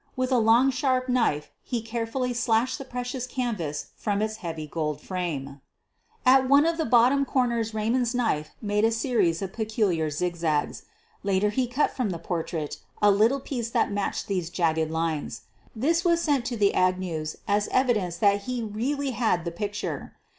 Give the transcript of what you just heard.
With a long, sharp knife he carefully slashed the precious canvas from its heavy gold frame. 52 SOPHIE LYONS At one of the bottom corners Raymond's knife made a series of peculiar zigzags. Later he cut from the portrait a little piece that matched these jagged lines. This was to send to the Agnews as evidence that he really had the picture.